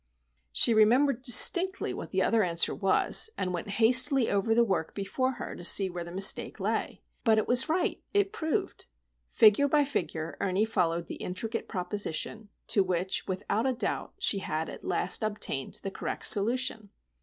She remembered distinctly what that other answer was, and went hastily over the work before her to see where the mistake lay. But it was right. It proved! Figure by figure Ernie followed the intricate proposition, to which, without a doubt, she had at last obtained the correct solution!